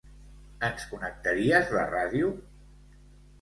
Ens connectaries la ràdio?